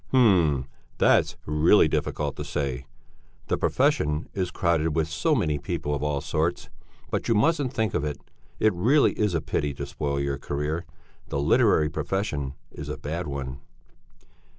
"H'm! That's really difficult to say. The profession is crowded with so many people of all sorts. But you mustn't think of it. It really is a pity to spoil your career; the literary profession is a bad one."